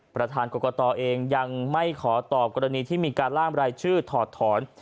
ประธานกรกตเองยังไม่ขอตอบกรณีที่มีการล่ามรายชื่อถอดถอน